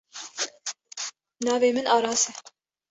Navê min Aras e.